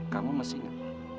kamu masih ingat